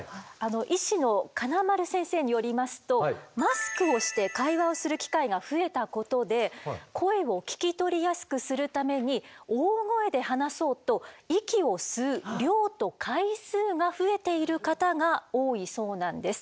医師の金丸先生によりますとマスクをして会話をする機会が増えたことで声を聞き取りやすくするために大声で話そうと息を吸う量と回数が増えている方が多いそうなんです。